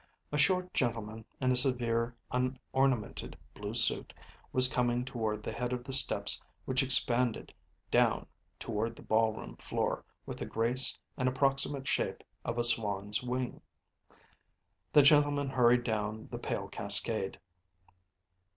A short gentleman in a severe, unornamented blue suit was coming toward the head of the steps which expanded down toward the ballroom floor with the grace and approximate shape of a swan's wing. The gentleman hurried down the pale cascade.